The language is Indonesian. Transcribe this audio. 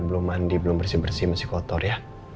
belum mandi belum bersih bersih masih kotor ya